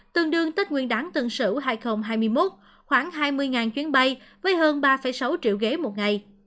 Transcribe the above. tương đương tết nguyên đáng tân sửu hai nghìn hai mươi một khoảng hai mươi chuyến bay với hơn ba sáu triệu ghế một ngày